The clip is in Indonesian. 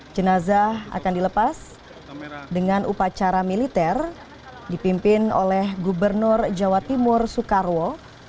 jenazah akan dilepas dengan upacara militer dipimpin oleh gubernur jawa timur soekarwo